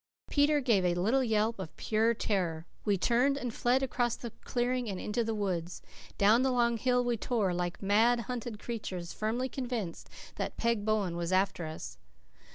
Peter gave a little yelp of pure terror. We turned and fled across the clearing and into the woods. Down the long hill we tore, like mad, hunted creatures, firmly convinced that Peg Bowen was after us.